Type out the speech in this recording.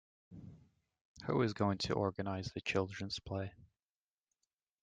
Who is going to organise the children's play?